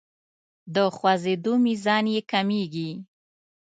د خوځیدو میزان یې کمیږي.